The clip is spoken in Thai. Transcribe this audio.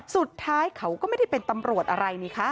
สุดท้ายเขาก็ไม่ได้เป็นตำรวจอะไรนี่คะ